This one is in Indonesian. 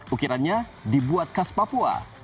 ukirannya dibuat khas papua